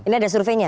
ini ada surveinya